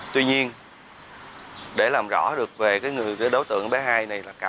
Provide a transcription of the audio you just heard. tuy nhiên để làm rõ được về đối tượng bé hai này